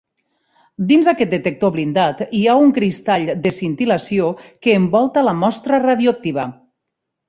Dins d'aquest detector blindat hi ha un cristall d'escintil·lació que envolta la mostra radioactiva.